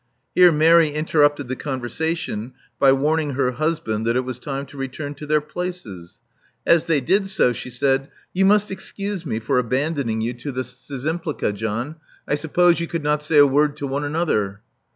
Here Mary interrupted the conversation by warn ing her husband that it was time to return to their places. As they did so, she said : You must excuse me for abandoning you to the 324 Love Among the Artists Szczympliga, John. I suppose you could not say a word to one another.